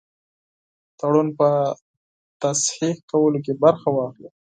تړون په تصحیح کولو کې برخه واخلي.